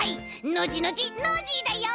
ノジノジノージーだよ！